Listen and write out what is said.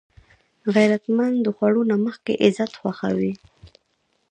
غیرتمند د خوړو نه مخکې عزت خوښوي